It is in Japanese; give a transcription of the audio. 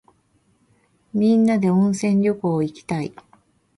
みんなで温泉旅行いきたい。